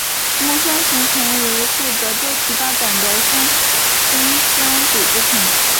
木栓形成层为负责周皮发展的分生组织层。